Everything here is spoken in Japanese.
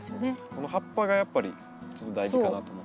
この葉っぱがやっぱり大事かなと思って。